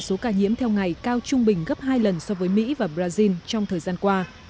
số ca nhiễm theo ngày cao trung bình gấp hai lần so với mỹ và brazil trong thời gian qua